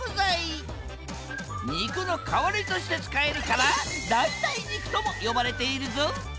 肉の代わりとして使えるから代替肉とも呼ばれているぞ！